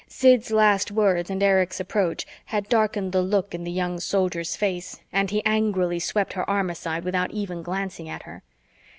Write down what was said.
Sid's last words and Erich's approach had darkened the look in the young Soldier's face and he angrily swept her arm aside without even glancing at her.